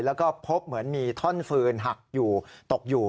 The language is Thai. แล้วก็พบเหมือนมีท่อนฟืนหักอยู่ตกอยู่